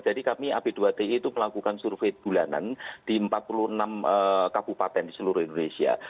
jadi kami ab dua ti itu melakukan survei bulanan di empat puluh enam kabupaten di seluruh indonesia